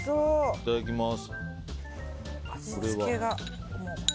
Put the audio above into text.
いただきます。